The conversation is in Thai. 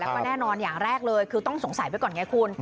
แล้วก็แน่นอนอย่างแรกเลยคือต้องสงสัยไว้ก่อนไงคุณ